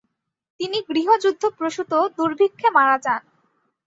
তিনি গৃহযুদ্ধ প্রসূত দুর্ভিক্ষে মারা যান।